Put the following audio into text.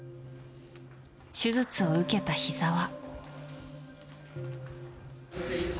手術を受けたひざは。